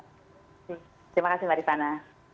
terima kasih mbak rizana